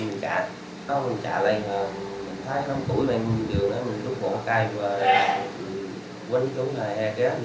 mình trả lại mình thay đống củi lên đường mình lúc bộ cây và quên chú này